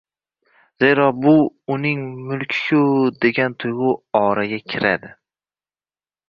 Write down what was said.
zero «bu uning mulki-ku», degan tuyg‘u oraga kiradi.